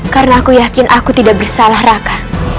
karena aku yakin aku tidak bersalah raka